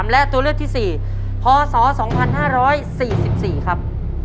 และตัวเลือกที่๔พศ๒๕๔๔ครับ